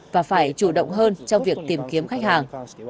và phải chủ động hơn trong việc tìm kiếm khách hàng